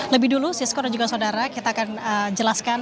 lebih dulu sisko dan juga saudara kita akan jelaskan